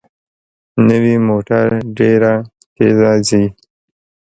نوې موټر ډېره تېزه ځي